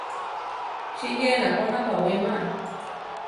¿Chí yénako napawíma?